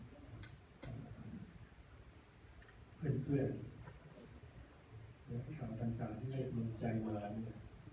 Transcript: เพื่อนเพื่อนและคำต่างที่ให้คุณใจกว่านี้